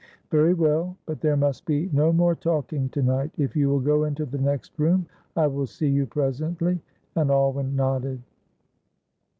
"Very well, but there must be no more talking to night. If you will go into the next room I will see you presently," and Alwyn nodded.